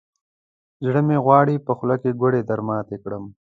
زړه مې غواړي، په خوله کې ګوړې درماتې کړم.